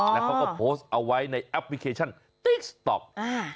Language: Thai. แล้วเขาก็โพสต์เอาไว้ในแอปพลิเคชันติ๊กต๊อก